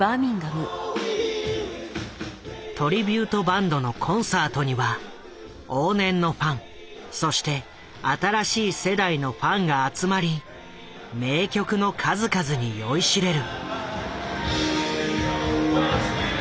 トリビュートバンドのコンサートには往年のファンそして新しい世代のファンが集まり名曲の数々に酔いしれる。